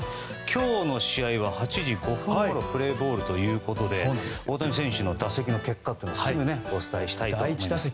今日の試合は８時５分ごろプレーボールということで大谷選手の打席の結果をすぐにお伝えしたいと思います。